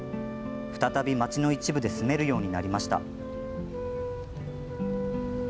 再び、町の一部で住めるようになりました。